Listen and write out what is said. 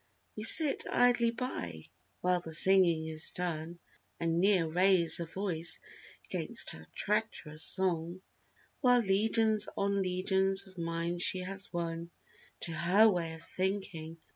We sit idly by while the singing is done. And ne'er raise a voice 'gainst her treacherous song; While legions on legions of minds she has won To her way of thinking.